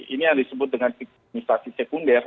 ini yang disebut dengan administrasi sekunder